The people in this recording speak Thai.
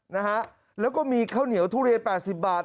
นะฮะแล้วก็มีข้าวเหนียวทุเรียนแปดสิบบาท